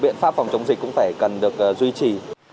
biện pháp phòng chống dịch cũng phải cần được duy trì